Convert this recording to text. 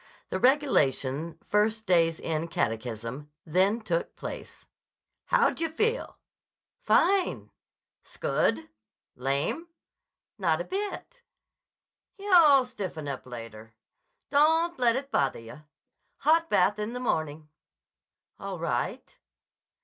The regulation first day's end catechism then took place. "How d'yah feel?" "Fine!" "'s good! Lame?" "Not a bit." "Yah'll stiffen up later. Don't let it bother yah. Hot bath in the morning." "All right."